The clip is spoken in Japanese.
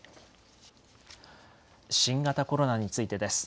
新型コロナについてです。